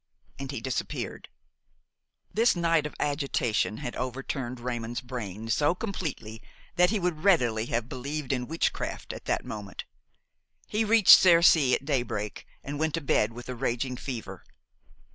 And he disappeared. This night of agitation had overturned Raymon's brain so completely that he would readily have believed in witchcraft at that moment. He reached Cercy at daybreak and went to bed with a raging fever.